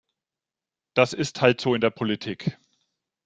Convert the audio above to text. Das ist halt so in der Politik.